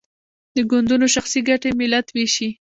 د ګوندونو شخصي ګټې ملت ویشي.